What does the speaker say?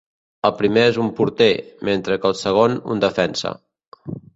El primer és un porter, mentre que el segon un defensa.